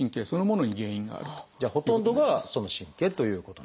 じゃあほとんどがその神経ということなんですね。